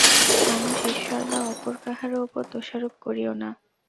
মানুষ, ঈশ্বর বা অপর কাহারও উপর দোষারোপ করিও না।